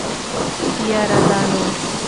يره دا نو.